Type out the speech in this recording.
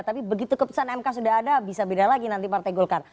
tapi begitu keputusan mk sudah ada bisa beda lagi nanti partai golkar